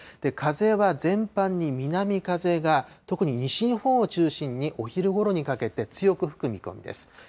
風は全般に南風が特に西日本を中心にお昼ごろにかけて強く吹く見込みです。